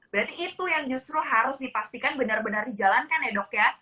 berarti itu yang justru harus dipastikan benar benar dijalankan ya dok ya